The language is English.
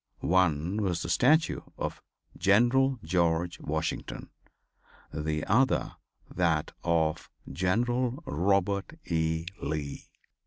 One was the statue of General George Washington; the other that of General Robert E. Lee.